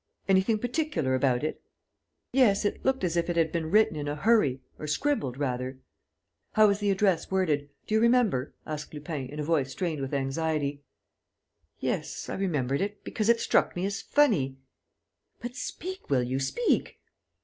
"Anything particular about it?" "Yes, it looked as if it had been written in a hurry, or scribbled, rather." "How was the address worded?... Do you remember?" asked Lupin, in a voice strained with anxiety. "Yes, I remembered it, because it struck me as funny...." "But speak, will you? Speak!"